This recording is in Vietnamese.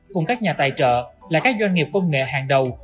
cùng các nhà tài trợ là các doanh nghiệp công nghệ hàng đầu